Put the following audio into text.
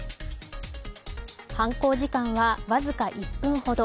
犯行時間は僅か１分ほど。